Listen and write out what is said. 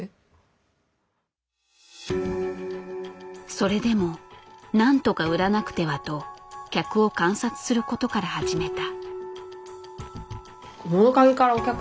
それでもなんとか売らなくてはと客を観察することから始めた。